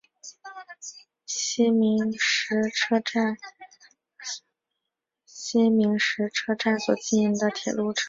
西明石车站所经营的铁路车站。